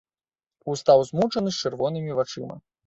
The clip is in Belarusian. Устаў змучаны, з чырвонымі вачыма.